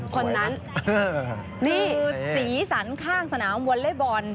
คนนั้นนี่คือสีสันข้างสนามวอลเล็ตบอล